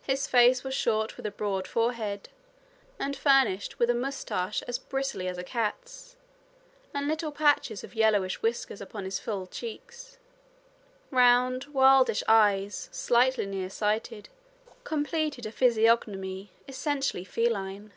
His face was short with a broad forehead, and furnished with a moustache as bristly as a cat's, and little patches of yellowish whiskers upon full cheeks. Round, wildish eyes, slightly near sighted, completed a physiognomy essentially feline.